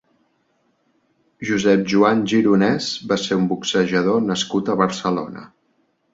Josep Joan Gironès va ser un boxejador nascut a Barcelona.